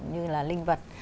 như là linh vật